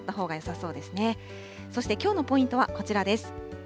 そしてきょうのポイントはこちらです。